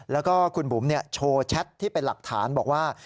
แล้วก็คุณบุ๋มโชว์แชทที่เป็นหลักฐานบอกว่า